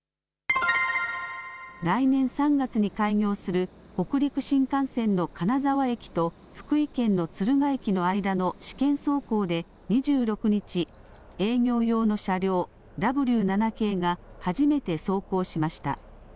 来年３月に開業する北陸新幹線の金沢駅と福井県の敦賀駅の間の試験走行で２６日、営業用の車両、Ｗ７系が初めて走行しました。